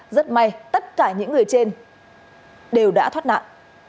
rất may tất cả những người trên đều đã thoát nạn